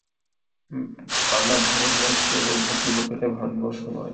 আমার ভারতবর্ষ কেবল ভদ্রলোকেরই ভারতবর্ষ নয়।